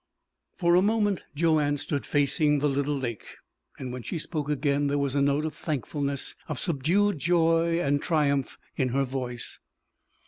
'" For a moment Joanne stood facing the little lake, and when she spoke again there was a note of thankfulness, of subdued joy and triumph, in her voice.